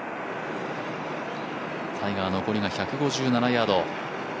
タイガー、残りが１５７ヤード。